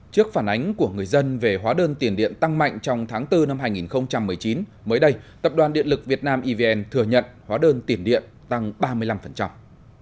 trước phản ánh của người dân về hóa đơn tiền điện tăng mạnh trong tháng bốn năm hai nghìn một mươi chín mới đây tập đoàn điện lực việt nam evn thừa nhận hóa đơn tiền điện tăng ba mươi năm